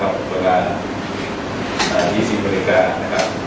เวลา๒๐นาฬิกา